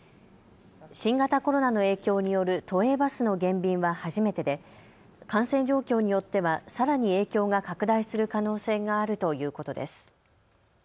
新型コロナの影響による都営バスの減便は初めてで感染状況によってはさらに影響が拡大する可能性があるということです。